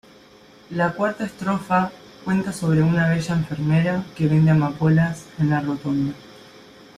La cuarta estrofa cuenta sobre una bella enfermera que vende amapolas en la rotonda.